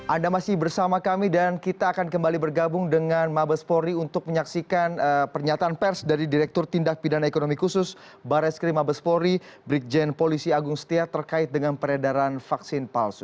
anda masih bersama kami dan kita akan kembali bergabung dengan mabespori untuk menyaksikan pernyataan pers dari direktur tindak pidana ekonomi khusus barres krim mabespori brigjen polisi agung setia terkait dengan peredaran vaksin palsu